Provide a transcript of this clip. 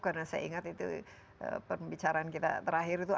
karena saya ingat itu pembicaraan kita terakhir itu